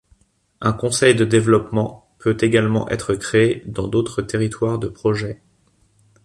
Un Conseil de développement peut également être créé dans d'autres territoires de projet.